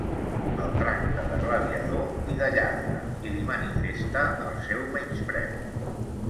El tracta de gladiador i de lladre, i li manifesta el seu menyspreu.